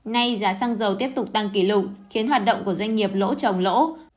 nay giá xăng dầu tiếp tục tăng kỷ lục khiến hoạt động của doanh nghiệp lỗ trồng lỗ